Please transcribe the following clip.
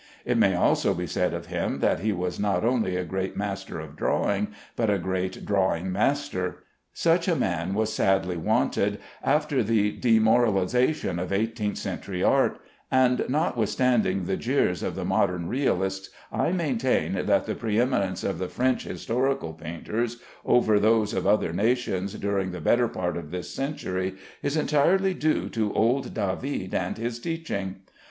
It may also be said of him, that he was not only a great master of drawing, but a great drawing master. Such a man was sadly wanted after the demoralization of eighteenth century art; and, notwithstanding the jeers of the modern realists, I maintain that the pre eminence of the French historical painters over those of other nations during the better part of this century is entirely due to old David and his teaching.